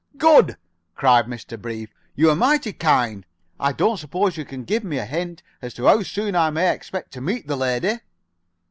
"Good!" cried Mr. Brief. "You are mighty kind. I don't suppose you can give me a hint as to how soon I may expect to meet the lady?"